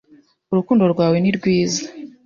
Urukundo rwawe ni rwiza